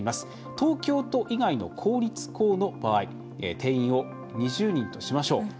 東京都以外の公立校の場合定員を２０人としましょう。